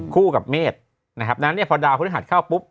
คู่กับเมษนะครับดังนั้นเนี่ยพอดาวพฤหัสเข้าปุ๊บ